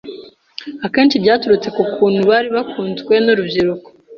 akenshi byaturutse ku kuntu bari bakunzwe n’urubyiruko